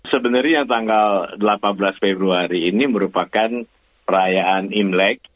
sebenarnya tanggal delapan belas februari ini merupakan perayaan imlek